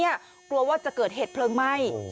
กลัวว่าจะเกิดเผิดเห็นไหม้